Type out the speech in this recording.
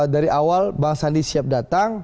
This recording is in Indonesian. dari awal bang sandi siap datang